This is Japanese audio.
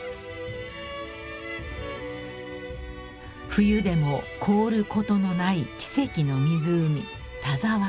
［冬でも凍ることのない奇跡の湖田沢湖］